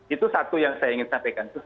itu satu yang saya ingin sampaikan